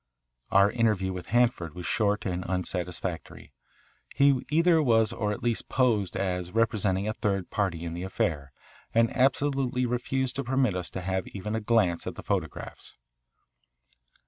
Our interview with Hanford was short and unsatisfactory. He either was or at least posed as representing a third party in the affair, and absolutely refused to permit us to have even a glance at the photographs.